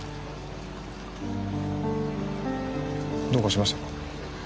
どうかしましたか？